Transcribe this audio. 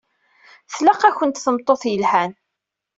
Tlaq-akent tameṭṭut yelhan.